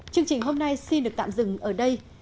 chương trình hôm nay xin được tạm dừng ở đây